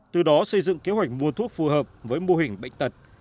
từ đó xây dựng kế hoạch mua thuốc phù hợp với mô hình bệnh tật